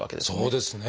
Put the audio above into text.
そうですね。